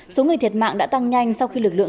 số người thiệt mạng đã tăng nhanh sau khi lực lượng